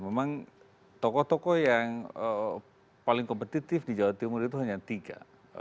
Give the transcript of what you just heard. memang tokoh tokoh yang paling kompetitif di jawa timur itu hanya tiga